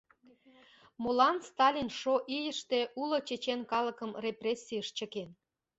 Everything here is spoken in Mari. Молан Сталин -шо ийыште уло чечен калыкым репрессийыш чыкен?